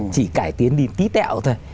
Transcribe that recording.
chỉ cải tiến đi tí tẹo thôi